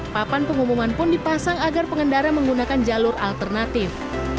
papan pengumuman pun dipasang agar pengendara menggunakan jalur alternatif